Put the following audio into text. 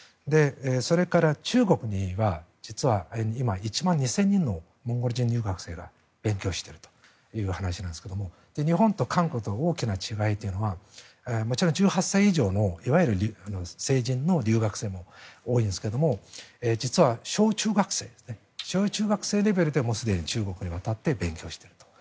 それから中国には実は今１万２０００人のモンゴル人留学生が勉強しているという話ですが日本と韓国との大きな違いというのはもちろん１８歳以上の、いわゆる成人の留学生も多いんですが実は小中学生レベルでもうすでに中国に渡って勉強していると。